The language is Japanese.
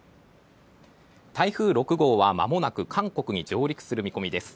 台風６号はまもなく韓国に上陸する見込みです。